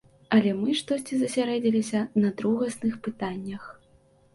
Але мы штосьці засярэдзіліся на другасных пытаннях.